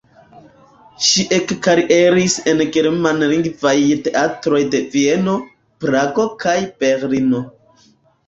Ŝi ekkarieris en germanlingvaj teatroj de Vieno, Prago kaj Berlino.